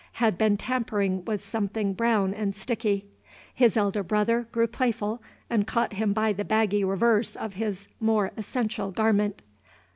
Had been tampering with something brown and sticky. His elder brother grew playful, and caught him by the baggy reverse of his more essential garment.